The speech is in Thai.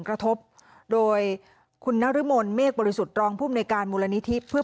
กระทบโดยคุณนรมนเมฆบริสุทธิ์รองภูมิในการมูลนิธิเพื่อ